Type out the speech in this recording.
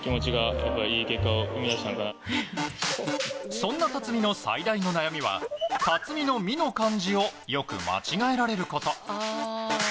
そんな辰己の最大の悩みは辰己の「己」の漢字をよく間違えられること。